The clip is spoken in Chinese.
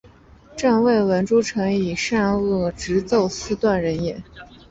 朕未闻诸臣以善恶直奏斯断人也！